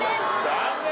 残念！